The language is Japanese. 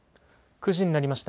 ９時になりました。